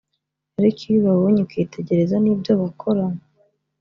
ariko iyo ubabonye ukitegereza n’ibyo bakora